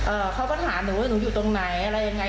เขาก็ถามหนูว่าหนูอยู่ตรงไหนอะไรยังไง